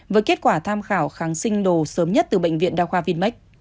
với kết quả tham khảo kháng sinh đồ sớm nhất từ bệnh viện đa khoa vinmec